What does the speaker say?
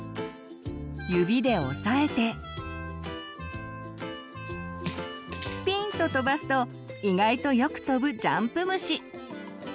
指で押さえてピンと跳ばすと意外とよく跳ぶジャンプ虫！